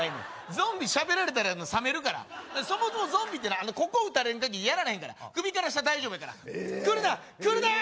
ゾンビ喋られたら冷めるからそもそもゾンビってここを撃たれんかぎりやられへんから首から下大丈夫やから来るな来るなー！